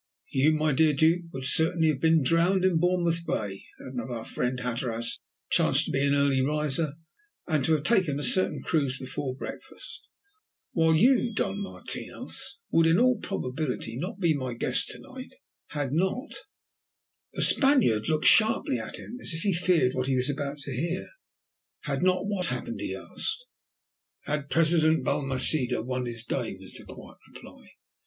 You, my dear Duke, would certainly have been drowned in Bournemouth Bay had not our friend Hatteras chanced to be an early riser, and to have taken a certain cruise before breakfast; while you, Don Martinos, would in all probability not be my guest to night had not " The Spaniard looked sharply at him as if he feared what he was about to hear. "Had not what happened?" he asked. "Had President Balmaceda won his day," was the quiet reply.